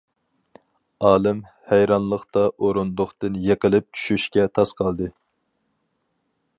ئالىم ھەيرانلىقتىن ئورۇندۇقتىن يىقىلىپ چۈشۈشكە تاس قالدى.